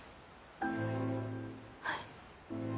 はい。